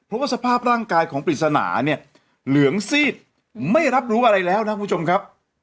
เพราะว่าสภาพร่างกายของปริศนาเนี่ยเหลืองซีดไม่รับรู้อะไรแล้วนะคุณผู้ชมครับ